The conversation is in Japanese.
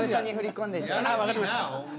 分かりました。